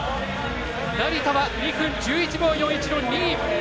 成田は２分１１秒４１の２位。